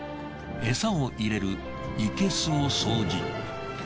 エサを入れる生けすを掃除。